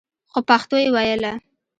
خو پښتو يې ويله.